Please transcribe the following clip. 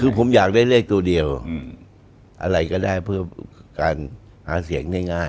คือผมอยากได้เลขตัวเดียวอะไรก็ได้เพื่อการหาเสียงง่าย